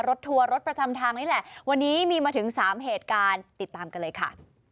ทัวร์รถประจำทางนี่แหละวันนี้มีมาถึงสามเหตุการณ์ติดตามกันเลยค่ะ